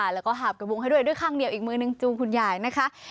แล้วก็หาบกระวงให้ด้วยด้วยข้างเดียวอีกมือนึงจูงคุณยายนะคะ